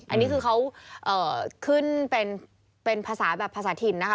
อันนี้คือเขาขึ้นเป็นภาษาแบบภาษาถิ่นนะคะ